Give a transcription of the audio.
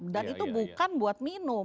dan itu bukan buat minum